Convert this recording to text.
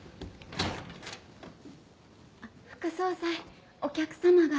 副総裁お客様が。